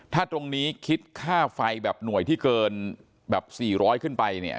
ถ้าตรงนี้คิดค่าไฟแบบหน่วยที่เกินแบบ๔๐๐ขึ้นไปเนี่ย